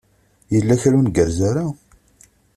Yella kra ur ngerrez ara?